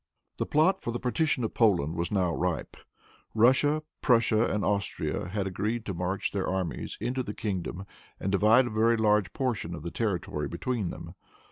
The plot for the partition of Poland was now ripe. Russia, Prussia and Austria had agreed to march their armies into the kingdom and divide a very large portion of the territory between them.